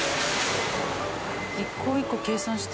一個一個計算して？